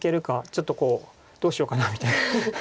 ちょっとこうどうしようかなみたいな。